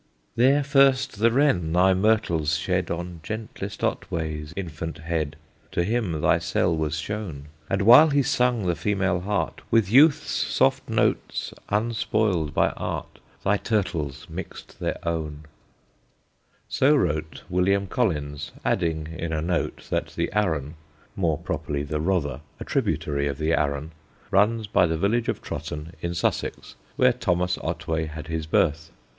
There first the wren thy myrtles shed On gentlest Otway's infant head, To him thy cell was shown; And while he sung the female heart, With youth's soft notes unspoiled by art, Thy turtles mixed their own. [Sidenote: THOMAS OTWAY] So wrote William Collins, adding in a note that the Arun (more properly the Rother, a tributary of the Arun) runs by the village of Trotton, in Sussex, where Thomas Otway had his birth.